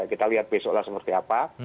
kita lihat besok lah seperti apa